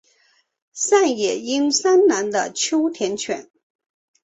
上野英三郎的秋田犬。